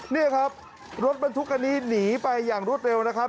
นี่ครับรถบรรทุกคันนี้หนีไปอย่างรวดเร็วนะครับ